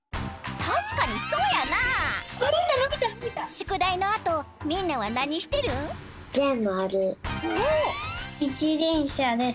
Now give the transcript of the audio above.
しゅくだいのあとみんなはなにしてるん？